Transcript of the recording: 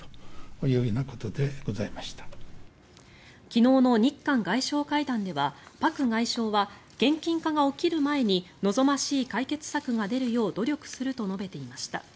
昨日の日韓外相会談ではパク外相は現金化が起きる前に望ましい解決策が出るよう努力すると述べていました。